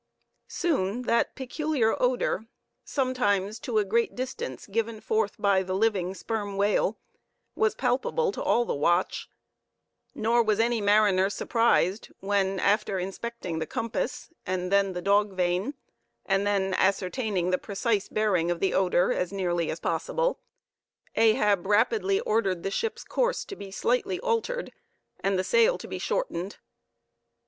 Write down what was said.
Soon that peculiar odor, sometimes to a great distance given forth by the living sperm whale, was palpable to all the watch; nor was any mariner surprised when, after inspecting the compass, and then the dog vane, and then ascertaining the precise bearing of the odor as nearly as possible, Ahab rapidly ordered the ship's course to be slightly altered, and the sail to be shortened.